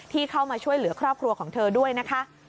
เข้ามาช่วยเหลือครอบครัวของเธอด้วยนะคะ